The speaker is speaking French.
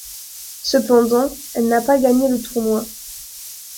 Cependant, elle n'a pas gagné le Tournoi.